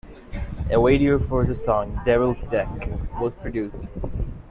A video for the song "Devil's Deck" was produced.